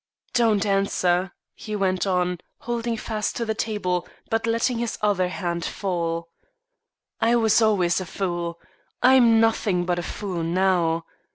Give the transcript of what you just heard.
"Don't answer," he went on, holding fast to the table, but letting his other hand fall. "I was always a fool. I'm nothing but a fool now.